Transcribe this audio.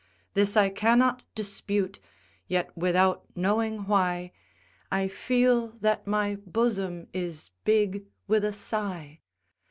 This I cannot dispute; yet without knowing why I feel that my bosom is big with a sigh.